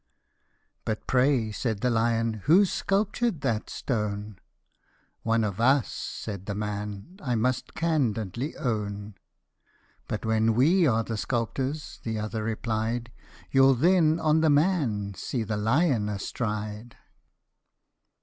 " But pray," said the lion, " who sculptured that stone ?"" One of us," said the man, " I must cand'dly own ;"" But when we are sculptors," the other replied " You will then on the man see the lion astride.